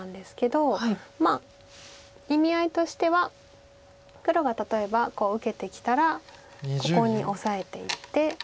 意味合いとしては黒が例えばこう受けてきたらここにオサえていって。